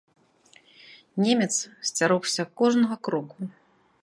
Немец сцярогся кожнага кроку.